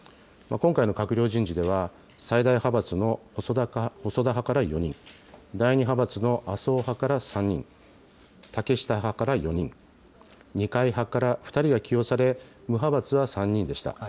今回の閣僚人事では、最大派閥の細田派から４人、第２派閥の麻生派から３人、竹下派から４人、二階派から２人が起用され、無派閥は３人でした。